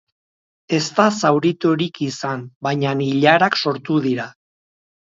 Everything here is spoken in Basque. Ez da zauriturik izan, baina ilarak sortu dira.